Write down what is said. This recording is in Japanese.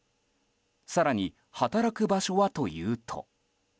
更に、働く場所はというと。